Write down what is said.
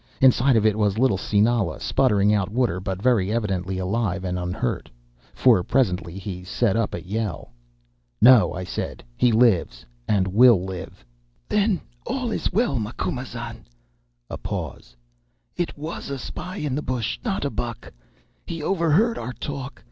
Inside of it was little Sinala, spluttering out water, but very evidently alive and unhurt, for presently he set up a yell. "'No,' I said, 'he lives, and will live.' "'Then all is well, Macumazahn.' (A pause.) 'It was a spy in the bush, not a buck. He overheard our talk.